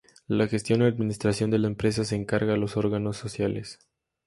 La gestión y administración de la empresa se encarga a los órganos sociales.